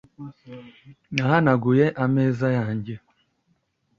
Nahanaguye ameza yanjye .